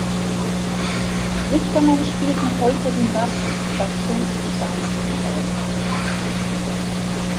Sichtermann spielt noch heute den Bass bei Ton Steine Scherben.